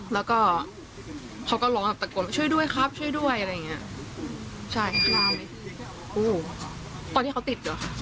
แล้วก็เขาก็ร้องแบบตะโกนว่าช่วยด้วยครับช่วยด้วยอะไรอย่างเงี้ยใช่ค่ะโอ้ตอนที่เขาติดเหรอคะ